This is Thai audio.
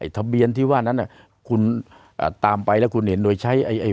ไอ้ทะเบียนที่ว่านั้นอ่ะคุณอ่าตามไปแล้วคุณเห็นโดยใช้ไอ้ไอ้